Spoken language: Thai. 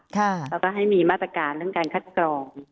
แล้วก็ให้มีมาตรการเรื่องการคัดกรอง